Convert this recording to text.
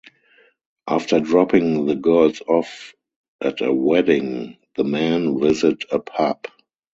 After dropping the girls off at a wedding, the men visit a pub.